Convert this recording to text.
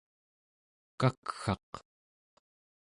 kakgaq